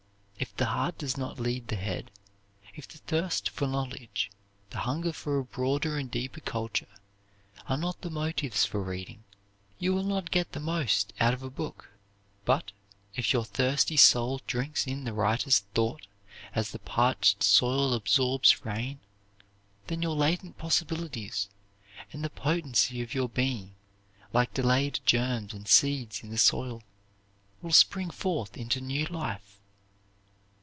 If the heart does not lead the head; if the thirst for knowledge, the hunger for a broader and deeper culture, are not the motives for reading, you will not get the most out of a book. But, if your thirsty soul drinks in the writer's thought as the parched soil absorbs rain, then your latent possibilities and the potency of your being, like delayed germs and seeds in the soil, will spring forth into new life.